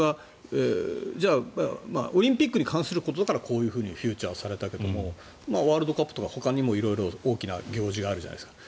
じゃあ、オリンピックに関することだからこういうふうにフィーチャーされたけどワールドカップとかほかにも色々大きな行事があるじゃないですか。